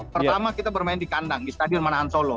pertama kita bermain di kandang di stadion manahan solo